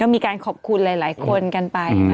มีการขอบคุณหลายคนกันไป